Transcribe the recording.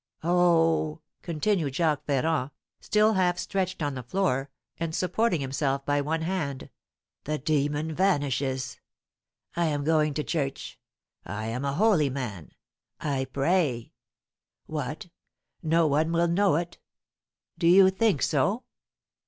"Oh!" continued Jacques Ferrand, still half stretched on the floor, and supporting himself by one hand, "the demon vanishes. I am going to church I am a holy man I pray! What, no one will know it? Do you think so?